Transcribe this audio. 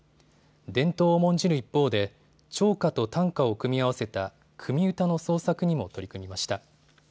伝統を重んじる一方で長歌と短歌を組み合わせた組歌の創作にも取り組みました。